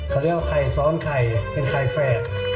เขาเรียกว่าไข่ซ้อนไข่เป็นไข่แฝด